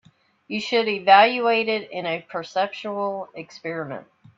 You should evaluate it in a perceptual experiment.